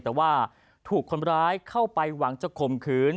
แต่ว่าถูกคนร้ายเข้าไปหวังจะข่มขืน